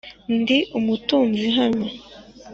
Ndi umutunzi hano